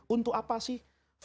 untuk apa sih